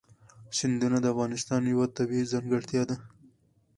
سیندونه د افغانستان یوه طبیعي ځانګړتیا ده.